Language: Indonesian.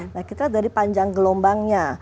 nah kita dari panjang gelombangnya